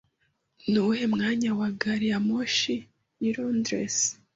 Nuwuhe mwanya wa gari ya moshi y'i Londres?